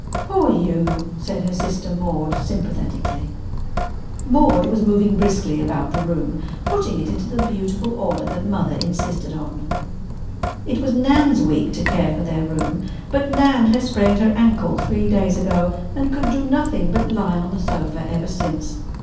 "Poor you!" said her sister Maude sympathetically. Maude was moving briskly about the room, putting it into the beautiful order that Mother insisted on. It was Nan's week to care for their room, but Nan had sprained her ankle three days ago and could do nothing but lie on the sofa ever since.